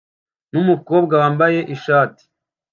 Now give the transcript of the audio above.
numukobwa wambaye ishati